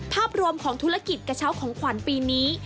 ภาพรวมของธุรกิจกระเช้าของขวัญปีนี้